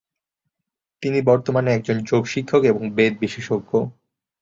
তিনি বর্তমানে একজন যোগ শিক্ষক এবং বেদ বিশেষজ্ঞ।